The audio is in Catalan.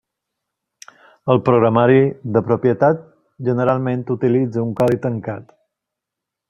El programari de propietat generalment utilitza un codi tancat.